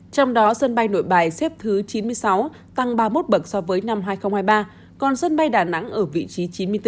trong đó sân bay nội bài xếp thứ chín mươi sáu tăng ba mươi một bậc so với năm hai nghìn hai mươi ba còn sân bay đà nẵng ở vị trí chín mươi bốn